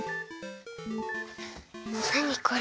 なにこれ？